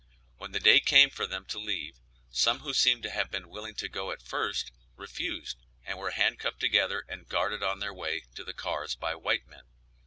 When the day came for them to leave, some, who seemed to have been willing to go at first, refused, and were handcuffed together and guarded on their way to the cars by white men.